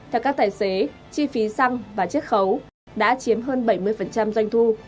theo các tài xế chi phí xăng và chiếc khấu đã chiếm hơn bảy mươi doanh thu